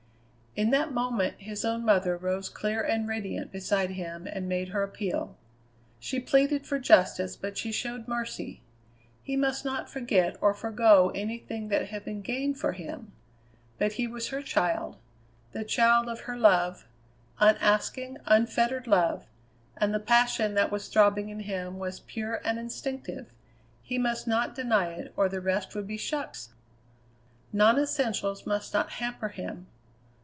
In that moment his own mother rose clear and radiant beside him and made her appeal. She pleaded for justice, but she showed mercy. He must not forget or forego anything that had been gained for him; but he was her child, the child of her love unasking, unfettered love and the passion that was throbbing in him was pure and instinctive; he must not deny it or the rest would be shucks! Non essentials must not hamper him.